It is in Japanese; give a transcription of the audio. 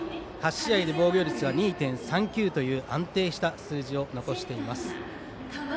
８試合で防御率は２．３９という安定した数字を残しています。